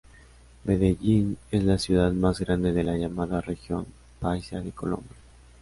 Medellín es la ciudad más grande de la llamada región paisa de Colombia.